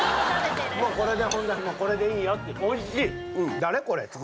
もうこれでこれでいいよっておいしい！